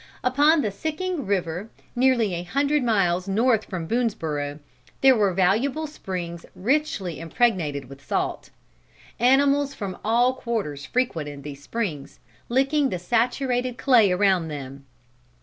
Upon the Sicking river, nearly a hundred miles north from Boonesborough, there were valuable springs richly impregnated with salt. Animals from all quarters frequented these springs, licking the saturated clay around them.